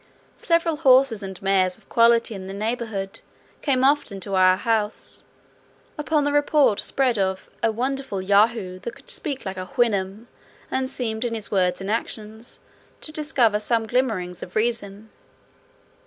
Several horses and mares of quality in the neighbourhood came often to our house, upon the report spread of "a wonderful Yahoo, that could speak like a Houyhnhnm, and seemed, in his words and actions, to discover some glimmerings of reason."